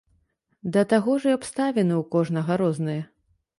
Да таго ж і абставіны ў кожнага розныя.